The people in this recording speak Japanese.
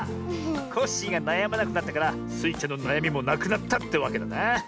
コッシーがなやまなくなったからスイちゃんのなやみもなくなったってわけだな。